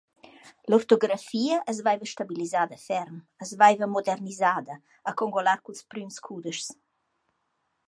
L’ortografia as vaiva stabilisada ferm, as vaiva modernisada, a congualar culs prüms cudeschs.